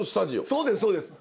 そうですそうです。